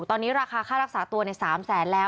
ตอนนี้ราคาค่ารักษาตัวใน๓๐๐๐๐๐บาทแล้ว